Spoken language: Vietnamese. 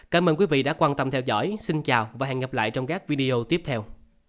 cảm ơn quý vị đã quan tâm theo dõi xin chào và hẹn gặp lại trong các video tiếp theo